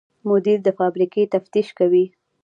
مدیر د فابریکې تفتیش کوي.